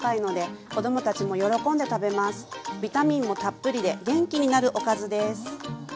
ビタミンもたっぷりで元気になるおかずです。